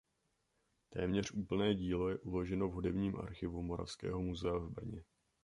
Téměř úplné dílo je uloženo v Hudebním archivu Moravského muzea v Brně.